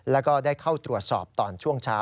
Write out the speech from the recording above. แล้วก็ได้เข้าตรวจสอบตอนช่วงเช้า